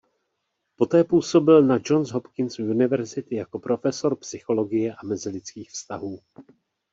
Poté působil na Johns Hopkins University jako profesor psychologie a mezilidských vztahů.